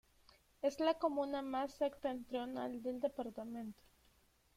Es la comuna más septentrional del departamento.